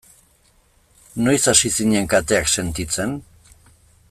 Noiz hasi zinen kateak sentitzen?